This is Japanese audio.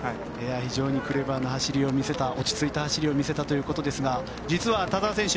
非常にクレバーな走りを見せた落ち着いた走りを見せましたが実は田澤選手